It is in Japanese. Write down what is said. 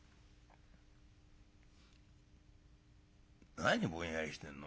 「何ぼんやりしてんの？